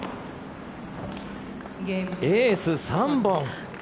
エース３本。